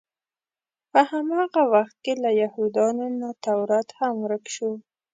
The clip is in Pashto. په هماغه وخت کې له یهودانو نه تورات هم ورک شو.